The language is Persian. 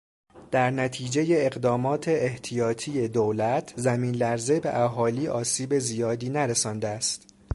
در نتیجهٔ اقدامات احتیاطی دولت؛ زمین لرزه به اهالی آسیب زیادی نرسانده است.